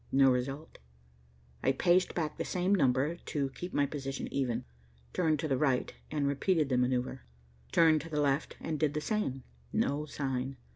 No result. I paced back the same number to keep my position even. Turned to the right, and repeated the maneuver. Turned to the left, and did the same. No sign.